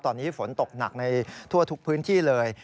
ตอนนี้ฝนตกหนักในทั่วทุกพื้นที่เลย